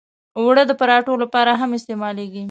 اوړه د پراتو لپاره هم استعمالېږي